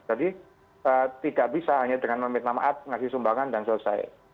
jadi tidak bisa hanya dengan memiknamat ngasih sumbangan dan selesai